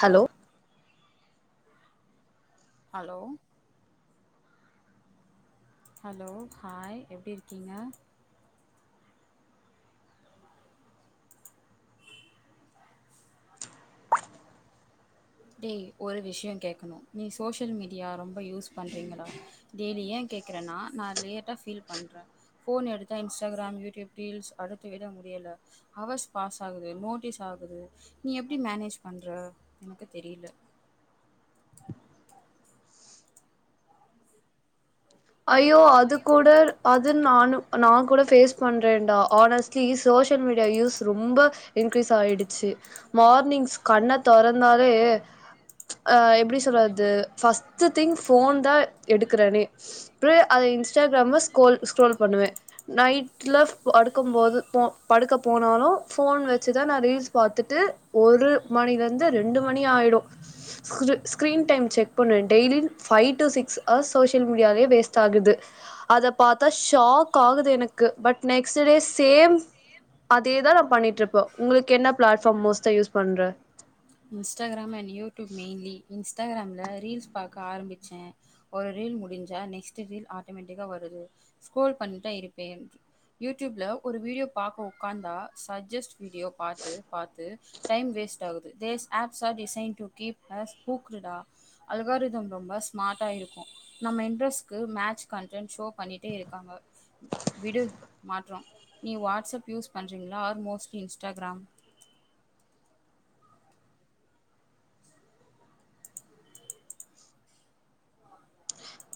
hello hello hello hi எப்படி இருக்கீங்க [inaudible] டேய் ஒரு விஷியம் கேட்கணு நீ சோசியல் மீடியா ரொம்ப யூஸ் பண்றீங்களா டெய்லி ஏ கேக்குறேன்னா நா லேட்டா ஃபீல் பண்றே ஃபோன் எடுத் இன்ஸ்டாகிராம் யூடியூப் ரீல்ஸ் அடுத்து விட முடியல அவர்ஸ் பாஸ் ஆகுது நோட்டீஸ் ஆகுது நீ எப்படி மேனேஜ் பண்ற எனக்கு தெரியல ஐயோ அது கூட அது நானு நா கூட ஃபேஸ் பண்றேன்டா honestly social media use ரொம்ப இன்க்ரீஸ் ஆயிடுச்சு மார்னிங்ஸ் கண்ண தொறந்தாலே அ எப்படி சொல்றது ஃபஸ்ட் திங் போன் தா எடுக்குறனே அது இன்ஸ்டாகிராமல்ல ஸ்கோல் ஸ்க்ரோல் பண்ணுவே நைட்டுல படுக்கும் போது போன் படுக்க போனாலு போன் வச்சுதா நா ரீல்ஸ் பாத்துட்டு ஒரு மணில இருந்து ரெண்டு மணி ஆயிடு ஸ்கிரீன் டைம் செக் பண்ணுவே daily five to six hours சோஷி வெச்சிருக்க முடியாது பே வேஸ்ட் ஆகுது அத பாத்த சாக் ஆகுது எனக்கு பட் நெக்ஸ்ட் டே சேம் அதேதா நா பண்ணிட்டு இருப்போ உங்களுக்கு என்ன பிளாட்ஃபாம் மோஸ்டா யூஸ் பண்ற இன்ஸ்டாக்ராம் அண் யூடூப் மெயின்லி இன்ஸ்டாக்ராம்ல ரீல்ஸ் பாக்க ஆரம்பிச்சே ஒரு ரீல் முடிஞ்சா நெக்ஸ்ட் ரீல் ஆட்டோமேட்டிக்கா வருது ஸ்கோர் பண்ணிட்டா இருப்பேன் யூடுப்லல் ஒரு வீடியோ பாக்க உட்காந்தா சஜஸ்ட் வீடியோ பாத்து பாத்து டைம் வேஸ்ட் ஆகுது these apps are design keep us ஊக்குடுடா அல்காரிதம் ரொம்ப ஸ்மார்ட்டா இருக்கு நம்ம இன்ட்ரெஸ்ட்கு மேட்ச் கன்டன் ஷோ பண்ணிட்டே இருக்காங்க விடு மாற்றோ நீ வாட்ஸ் அப் யூஸ் பண்ணுறீங்களா ஆர் மோஸ்ட் இன்ஸ்டாகிராம்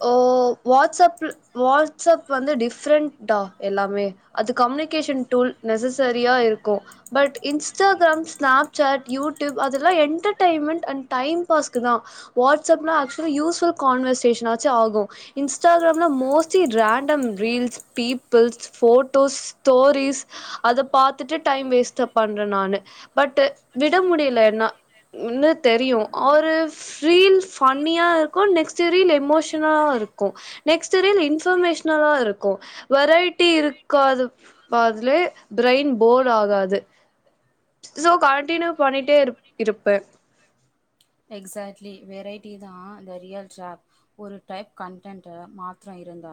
ஓ வாட்ஸ்அப்புல் வால்ஸ்அப் வந்து டிஃப்ரெண்டா எல்லாமே அது கம்னி கம்யூனிகேஷன் டூல் நெசசரியா இருக்கு பட் இன்ஸ்டாக்ராம் ஸ்நாப்சாட் யூட்யூப் அதெல்லா என்டர்டயன்மெண்ட் அண்ட் டைம் பாஸ்க்கு தா வாட்ஸ்அப்ல ஆக்சுவல யூஸ்புல் கான்வர்சேஷன் இருக்கு ச் ஆகு இன்ஸ்டாகிராம்ல mostly random reels peoples photos stories அத பாத்துட்டு டைம் வேஸ்ட் பண்றே நானு பட் விட முடியல ஏன்னா ஒன்னு தெரியு ஒரு ரீல் பன்னியா இருக்கு நெக்ஸ்ட் ரீல் எமோஷன் லா இருக்கு நெக்ஸ்ட் ரீல் இன்ஃபர்மேஷனலா இருக்கு வெரைட்டி இருக்காது அதலையே பிரைன் போர் ஆகாது சோ கண்டினியூ பண்ணிட்டே இ இருப்பே எக்ஸாக்ட்லி வெரைட்டி தா த ரியல் டிரப் ஒரு டைப் கான்டென்ட் மாத்துரோ இருந்தா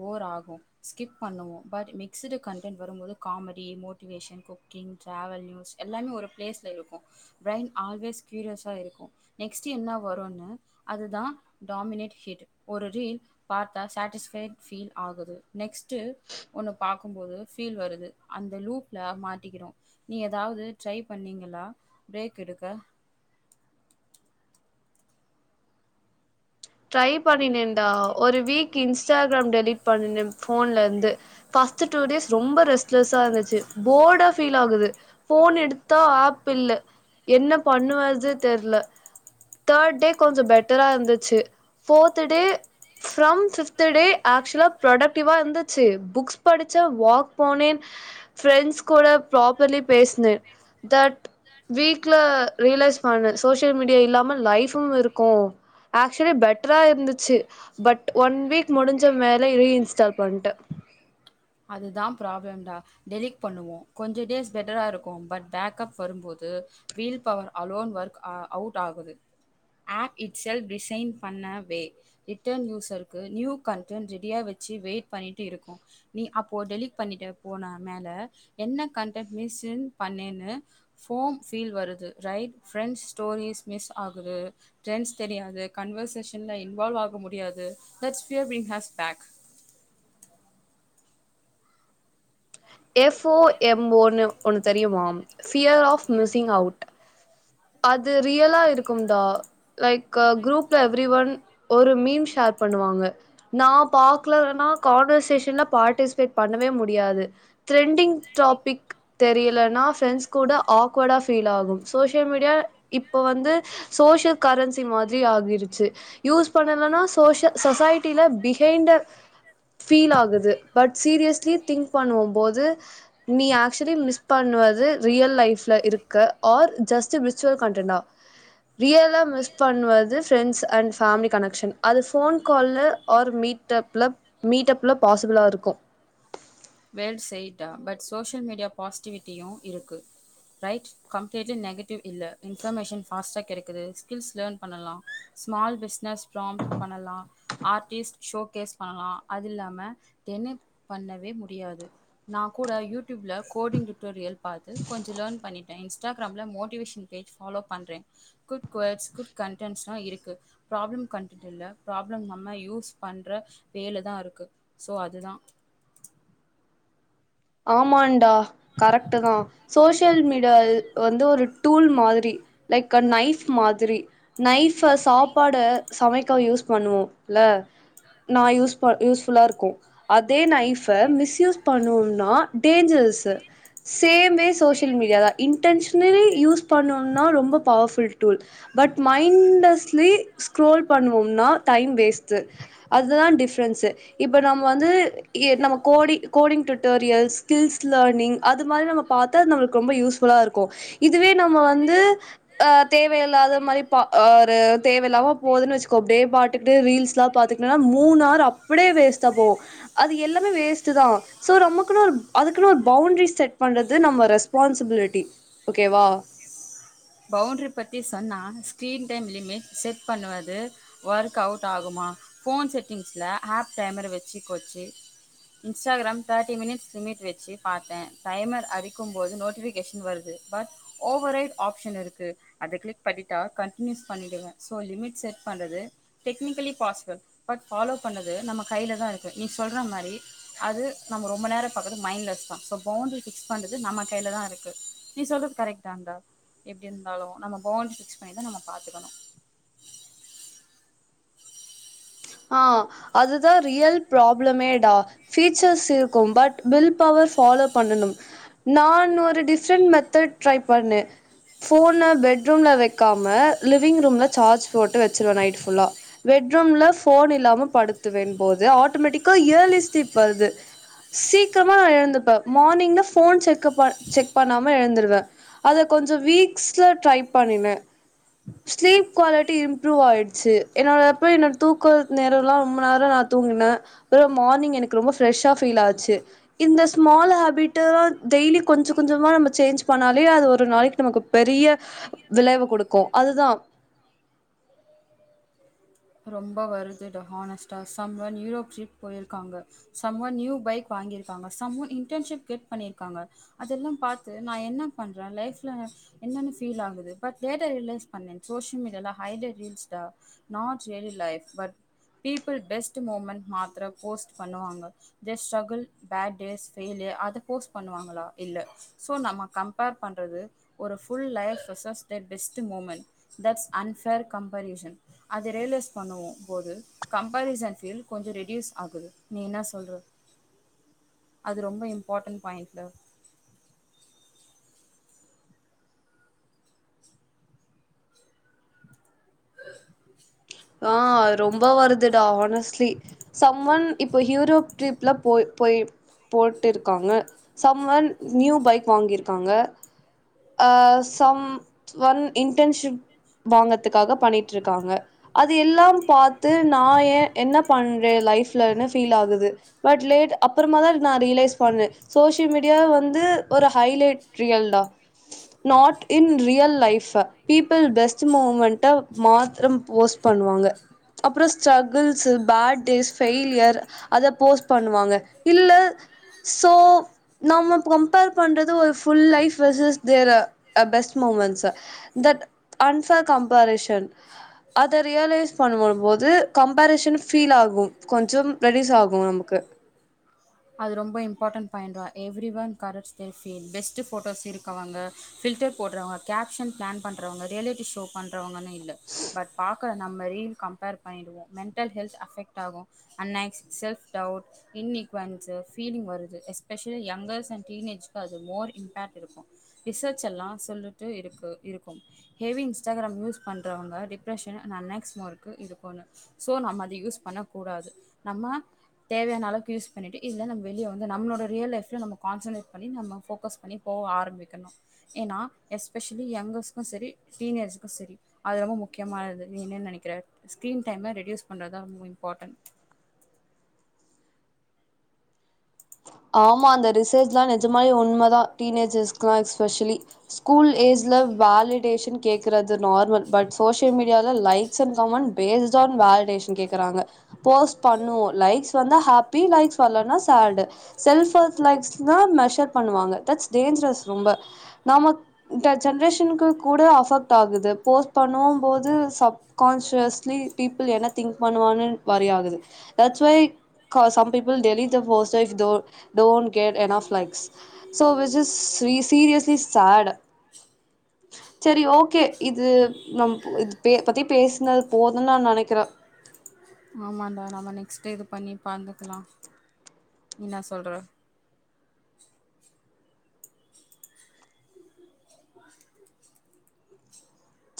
போர் ஆகு ஸ்கிப் பண்ணுவோ பட் மிக்ஸ்டு கண்டென்ட் வரும்போது comedy motivation cooking travel news எல்லாமே ஒரு ப்ளேஸ்ல இருக்கு பிரைன் ஆல்வேஸ் க்யூரியஸாக இருக்கு நெக்ஸ்ட்டு என்ன வருன்னு அதுதா டாமினேட் ஹிட் ஒரு ரீல் பாத்தா சாட்டிஸ்பைட் ஃபீல் ஆகுது நெக்ஸ்ட்டு ஒன்ன பாக்க இருக்கும்போது பீல் வருது அந்த லூப்ல மாட்டிக்கிறோ நீ ஏதாவது ட்ரை பண்ணீங்களா பிரேக் எடுக்க ட்ரை பண்ணினேண்டா ஒரு வீக் இன்ஸ்டாக்ராம் டெலிட் பண்ணுன ஃபோன்ல இந்து பஸ்ட் டூ டேஸ் ரொம்ப ரெஸ் பிளஸ்சா இருந்துச்சி போடா பீல் ஆகுது ஃபோன் எடுத்தா ஆப் இல்ல என்ன பண்ணுவது தெரில தேர்ட் டே கொஞ்ச பெட்டரா இருந்துச்சு fourth day from fifth day ஆக்சுவலா ப்ரொடக்டிவா இருந்துச்சு புக்ஸ் படிச்சா வாக் போனே ஃப்ரெண்ட்ஸ் கூட ப்ராப்பர்லி பேஸ்னே தட் வீக்ல ரியலைஸ் பண்ணு சோசியல் மீடியா இல்லாம லைஃபு இருக்கு ஆக்சுவலி பெட்டரா இருந்துச்சு பட் ஒன் வீக் முடிஞ்ச மேலே ரீ இன்ஸ்டால் பண்ட்டே அதுதா ப்ராப்ளம்டா டெலீட் பண்ணுவோ கொஞ்ச டேஸ் பெட்டரா இருக்கு பட் பேக்அப் வரும்போது will power alone work a out ஆகுது ஆப் இட் செல்ப் டிசைன் பண்ணவே ரிட்டர்ன் யூசர்க்கு நியூ கண்டன் ரெடியா வச்சு வெயிட் பண்ணிட்டு இருக்கோ நீ அப்போ டெலிடிட் பண்ணிட்டு போன மேல என்ன கன்டன்ட் மிஸ்ன்னு பண்ணேன்னு ஃபோம் பீல் வருது ரைட் ஃப்ரெண்ட்ஸ் ஸ்டோரிஸ் மிஸ் ஆகுது ஃப்ரண்ட்ஸ் தெரியாது கன்வர்சேஷன்ல இன்வால்வ் ஆக முடியாது that's still we has back F O M ஓனு ஒண்ணு தெரியுமா ஃபியர் ஆஃப் மிஸிங் அவுட் அது ரியலா இருக்கும்டா லைக் குரூப்ல எவ்ரி ஒன் ஒரு மீம் ஷேர் பண்ணுவாங்க நா பாக்கலனா கான்வர்சேஷன்ல பார்ட்டிசிபேட் பண்ணவே முடியாது திரெண்டிங் டாபிக் தெரியலன்னா ஃப்ரெண்ட்ஸ் கூட ஆக்வர்டா ஃபீல் ஆகு சோஷ் தி மீடியா இப்ப வந்து சோசியல் கரன்சி மாதிரி ஆகிருச்சி யூஸ் பண்ணலனா சோஷி சொசைட்டில பிஹைண்ட்ட ஃபீல் ஆகுது பட் சீரியஸ்லி திங்க் பண்ணுவும் போது நீ ஆக்சுவலி மிஸ் பண்ணுவது ரியல் லைஃப்ல இருக்க ஆர் ஜஸ்ட் விர்ச்சுவல் கண்டடென்டா ரியலா மிஸ் பண்ணுவது ஃப்ரெண்ட்ஸ் அண்ட் பேமிலி கனெக்ஷன் அது ஃபோன் கால்ல ஆர் மீட் அப்ல மீட் அப்ல பாசிபிளா இருக்கு வேல் செய்டா பட் சோசியல் மீடியா பாசிட்டிவிட்டியு இருக்கு ரைட் கம்ப்ளீ்ட்லி நெகட்டிவ் இல்ல இன்ஃபர்மேஷன் ஃபாஸ்டா கெடக்குது ஸ்கில்ஸ் லேர்ன் பண்ணலா ஸ்மால் பிசினஸ் ப்ராம்ப் பண்ணலா ஆர்ட்டிஸ்ட் ஷோ கேஸ் பண்ணலா அது இல்லாம தெனே பண்ணவே மு ரியாது நா கூட யூடியூப்ல கோடிங் டூட்டோரியல் பாத்து கொஞ்ச லர்ன் பண்ணிட்டே இன்ஷ் இன்ஸ்டாகிராம்ல மோட்டிவேஷன் பேஜ் ஃபாலோ பண்ற குட் வேர்ட்ஸ் குட் கன்டென்ட்ஸ்லா இருக்கு ப்ராப்ளம் கண்டன்ட் இல்ல ப்ராப்ளம் நம்ம யூஸ் பண்ற வேல தா இருக்கு சோ அதுதா ஆமாண்டா கரெக்டு தா சோசியல் மீடியா வந்து ஒரு டூல் மாதிரி லைக் அ நைஃப் மாதிரி நைஃப சாப்பாட சமைக்க யூஸ் பண்ணுவோ இல்ல நா யூஸ் ப யூஸ் ஃபுல்லா இருக்கு அதே நைஃப மிஸ்யூஸ் பண்ணுவோ நா டேஞ்சரஸு சேமே சோசியல் மீடியா தா இன்டென்ஷன் னே யூஸ் பண்ணோனா ரொம்ப powerful tool but mindlessly scroll பண்ணுவோம்னா டைம் வேஸ்டு அதுதா டிப்ரென்ஸ்சு இப்ப நம்ம வந்து நம கோடி coding tutorial skills learning அது மாரி நம்ம பாத்தா அ நம்ம ரொம்ப யூஸ்ஃபுல்லா இருக்கு இதுவே நம்ம வந்து அ தேவையில்லாத மாரி பா அ ஒரு தேவையில்லாம போகுதுன்னு வச்சுக்கோ அப்டியே பாட்டுக்கிட்டு ரீல்ஸ்ல்லா பாத்து ன்னா மூணு ஆறு அப்டியே வேஸ்ட்டா போவு அது எல்லாமே வேஸ்ட் தா சோ நமக்குன்னு ஒரு அதுக்குன்னு ஒரு பவுண்ட்ரி செட் பண்ணுறது நம்ம ரெஸ்பான்சிபிலிட்டி ஓகேவா பவுண்ட்ரி பற்றி சொன்னா ஸ்க்ரீன் டைம் லிமிட் செட் பண்ணுவது ஒர்க் அவுட் ஆகுமா ஃபோன் செட்டிங்ஸ்ல ஆப் டைமர வச்சு கொச்சு இன்ஸ்டாகிராம் தேர்ட்டி மினிட்ஸ் லிமிட் வச்சு பாத்தேன் டைமர் அரிக்கும்போது நோட்டிஃபிகேஷன் வருது பட் ஓவரைடு ஆப்ஷன் இருக்கு அத கிளிக் பண்ணிட்டா கன்டினியூஸ் பண்ணிடுவ சோ லிமிட் செட் பண்றது டெக்னிக்கலி ஃபாசிபல் பட் ஃபாலோ பண்ணது நம்ம கையில தா இருக்கு நீ சொல்ற மாரி அது நம்ம ரொம்ப நேரோ பாக்கறது மைண்ட்லெஸ் தா சோ பவுண்ட்ரி பிக்ஸ் பண்றது நம்ம கைல தா இருக்கு நீ சொல்றது கரெக்ட தாண்டா எப்டி இருந்தாலு நம்ம பவுண்ட்ரி ஃபிக்ஸ் பண்ணிதா நம்ம பாத்துக்கணு ஆ அதுதா ரியல் ப்ராப்ளமேடா ஃபீச்சர்ஸ் இருக்கும் பட் வில் பவர் ஃபாலோ பண்ணனும் நான் ஒரு டிஃப்ரெண்ட் மெத்தட் ட்ரை பண்ண ஃபோன பெட்ரூம்ல வைக்காம லிவிங் ரூம்ல சார்ஜ் போட்டு வச்சுருவ நைட்டு ஃபுல்லா பெட்ரூம்ல ஃபோன் இல்லாம படுத்து வேன் போது ஆட்டோமேட்டிக்கா இயர்லி ஸ்லீப் வருது சீக்கமா எழுந்துப்பே மார்னிங்ல ஃபோன் செக்குப செக் பண்ணாம எழுந்தருவ அத கொஞ்சோ வீக்ஸ்ல ட்ரை பண்ணின ஸ்லீப் குவாலிட்டி இம்ப்ரூவ் ஆயிடுச்சு என்னோட அப்புறோ என்னோட தூக் நேரோலா ரொம்ப நேரோ நா தூங்கினே அப்றம் மார்னிங் எனக்கு ரொம்ப ஃப்ரெஷ்ஷா ஃபீல் ஆச்சு இந்த ஸ்மால் ஹேபிடல்லா டெய்லி கொஞ்ச கொஞ்சமா நம்ம சேஞ்ச் பண்ணாலே அது ஒரு நாளைக்கு நமக்கு பெரிய விளைவு கொடுக்கு அதுதா ரொம்ப வருதுட ஹானஸ்ட்டா சம்ஒன் யூரோப் ட்ரிப் போயிருக்காங்க சம்ஒன் நியூ பைக் வாங்கியிருக்காங்க சம்ஒன் இன்டன்ஷிப் கெட் பண்ணிருக்காங்க அதெல்லா பாத்து நா என்ன பண்றே லைஃப்ல என்னன்னு பீல் ஆகுது பட் டேட்டாரியலைஸ் பண்ணே சோசியல் மீடியால ஹ ரீட் ஜெனி life but people best moment மாத்திர போஸ்ட் பண்ணுவாங்க just struggle bad days fail அத போஸ்ட் பண்ணுவாங்களா இல்ல சோ நம்ம கம் பிரிப்பர் பண்றது ஒரு full லைஃப்ரஸஸ் [unintelligible] best moment that's unfair comparison அத ரியல்ஐஸ் பண்ணுவோ போது கம்பரிசன் ஃபீல் கொஞ்சோ ரெடியூஸ் ஆகுது நீ என்ன சொல்ற அது ரொம்ப இம்பார்ட்டண்ட் பாயிண்ட்ல ஆ அது ரொம்ப வருதுடா ஆனஸ்ட்லி சம்ஒன் இப்ப ஹூயுரோப் ட்ரிப்லா போய் போய் போட்டு இருக்காங்க சம்ஒன் நியூ பைக் வாங்கிருக்காங்க அ சம்ஒன் இன்டன்ஷிப் வாங்கதுக்காக பண்ணிட்டு இருக்காங்க அது எல்லாம் பாத்து நா ஏ என்ன பண்றே லைஃப்லன்னு ஃபீல் ஆகுது பட் லேட் அப்பறமா தா நா ரியலைஸ் பண்ணே சோசியல் மீடியா வந்து ஒரு ஹைலைட் ரியல்டா not in real life people best மூமெண்ட்ட மாத்ரம் போஸ்ட் பண்ணுவாங்க அப்புறோ ஸ்ட்ரகிள்ஸ்சு பேட் டேஸ் ஃபெய்லியர் அத போஸ்ட் பண்ணுவாங்க இல்ல சோ நம்ம கம்பேர் பண்றது ஒரு full life versus they best moments that unfair comparison அத ரியலைஸ் பண்ணும்போது கம்பரிஷன் ஃபீல் ஆகு கொஞ்சம் ரெடியூஸ் ஆகு நமக்கு அது ரொம்ப இம்பார்ட்டன் பயண்ட்ரா every one corrupts they build best photos இருக் அவங்க ஃபில்டர் போடுறவங்க கேப்ஷன் பிளான் பண்றவங்க ரியாலிட்டி ஷோ பண்றவங்கன்னு இல்ல பட் பாக்ற நம்ம ரீல் கம்பேர் பண்ணிடுவோ மெண்டல் ஹெல்த் அஃபெக்ட் ஆகு அண்ணஸ் செல்ஃப் டவுட் இன்னி குவன்ஸ் பீலிங் வருது எஸ்பஷலி யங்கர்ஸ் அண்ட் டீனேஜ்கு அது மோர் இம்பேட் இருக்கு ரிசர்ச் எல்லா சொல்லிட்டு இருக்கு இருக்கும் ஹெவி இன்ஸ்டாகிராம் யூஸ் பண்றவங்க டிப்ரஷன் அன் நெக் மர்கக்கு இது பண்ணு சோ நம்ம அத யூஸ் பண்ண கூடாது நம்ம தேவையான அளவுக்கு யூஸ் பண்ணிட்டு இல்ல நம் வெளிய வந்து நம்ளோட ரியல் லைஃப்ல நம்ம கான்ஸ்டிரெட் பண்ணி நம்ம போக்கஸ் பண்ணி போக ஆரம்பிக்கணு ஏனா எஸ்பெஷலி யங்கர்ஸ்கக்கு சரி டீனேஜஸ்கக்கும் சரி அது ரொம்ப முக்கியமானது நீ என்ன நனைக்கிற ஸ்கிரீன் டைம ரெடியூஸ் பண்றதுதா ரொம்ப இம்பார்டண்ட் ஆமா அந்த ரிசர்ச்ல்லா நெஜமாலே உண்ம தா டீனேஜர்ஸ்க்கல்லா எஸ்பெஷலி ஸ்கூல் ஏஜ்ல வலிடேஷன் கேக் றது நார்மல் பட் சோசியல் மீடியால்ல likes and comment based on validation கேக்குறாங்க போஸ்ட் பண்ணுவோ லைக்ஸ் வந்தா ஹாப்பி லைக்ஸ் வரலனா சேடு செல்ப்லைக்ஸ் தா மெஷர் பண்ணுவாங்க தட்ஸ் டேஞ்சரஸ் ரொம்ப நமக் இந்த ஜென்ரேஷனுக்கு கூட அஃபெக்ட் ஆகுது போஸ்ட் பண்ணுவம் போது ச கான்சியஸ்லி பீப்பிள் என்ன திங்க் பண்ணுவான வரி ஆகுது தட்ஸ்ஒய் கா some people delete the post as though don't கேடு a of likes so which is seriously sad சரி ஓகே இது நம் புவ இது பேய பத்தி பேசினது போதுன்னு நா நனைக்கிற ஆமாண்டா நாம நெக்ஸ்ட் டே இது பண்ணி பாந்துக்கலா என்னா சொல்ற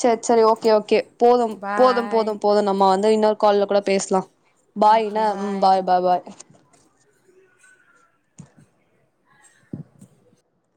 செரி செரி ஓகே ஓகே போதும் போதும் பாய் போதும் போது நம்ம வந்து இன்னொரு கால்ல கூட பேசலா பாய்னா ம் பாய் பா பா